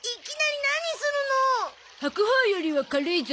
白鵬よりは軽いゾ。